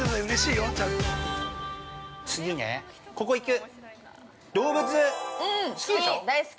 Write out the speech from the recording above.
◆次ね、ここ行く。